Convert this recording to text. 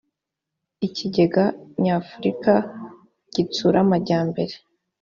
ikigega nyafurika gitsura amajyambere.